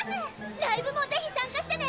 ライブも是非参加してね！